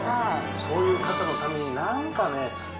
そういう方のために、なんかね。